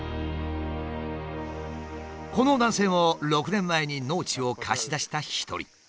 この男性も６年前に農地を貸し出した一人。